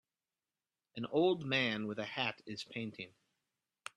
An old man with a hat is painting